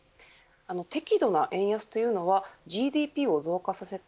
適度な円安というのはＧＤＰを増加させて